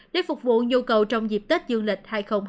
để phục vụ nhu cầu trong dịp tết dương lịch hai nghìn hai mươi bốn